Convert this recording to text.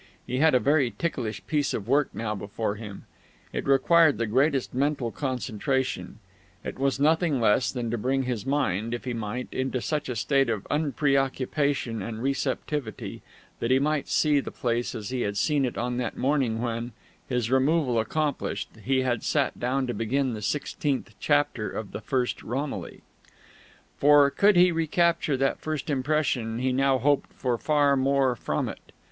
He had a very ticklish piece of work now before him; it required the greatest mental concentration; it was nothing less than to bring his mind, if he might, into such a state of unpreoccupation and receptivity that he should see the place as he had seen it on that morning when, his removal accomplished, he had sat down to begin the sixteenth chapter of the first Romilly. For, could he recapture that first impression, he now hoped for far more from it.